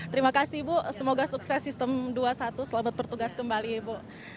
terima kasih ibu semoga sukses sistem dua puluh satu selamat bertugas kembali ibu